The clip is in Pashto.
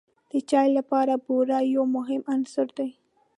د چای لپاره بوره یو مهم عنصر دی.